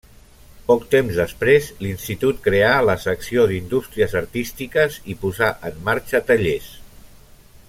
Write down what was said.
Poc temps després, l'Institut creà la secció d'Indústries artístiques i posà en marxa tallers.